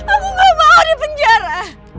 aku gak mau di penjara